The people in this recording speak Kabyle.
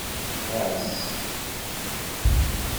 Ɣas.